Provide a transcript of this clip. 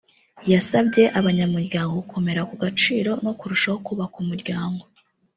yasabye abanyamuryango gukomera ku gaciro no kurushaho kubaka umuryango